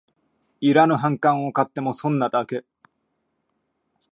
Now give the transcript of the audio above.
いらぬ反感を買っても損なだけ